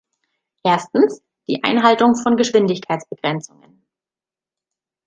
Erstens, die Einhaltung von Geschwindigkeitsbegrenzungen.